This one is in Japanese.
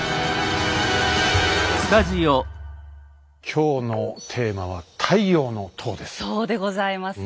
今日のテーマは「太陽の塔」です。